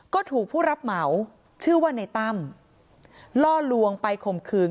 ก็ถูกผู้รับเหมาชื่อว่าในตั้มล่อลวงไปข่มขืน